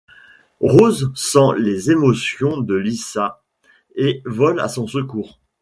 Rose sent les émotions de Lissa et vole à son secours.